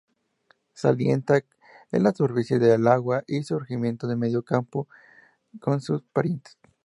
Se alimenta en la superficie del agua y sumergiendo medio cuerpo, como sus parientes.